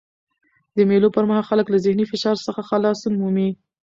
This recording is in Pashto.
د مېلو پر مهال خلک له ذهني فشار څخه خلاصون مومي.